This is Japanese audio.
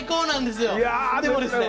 でもですね